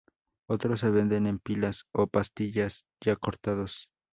Otros se venden en pilas o 'pastillas' ya cortados.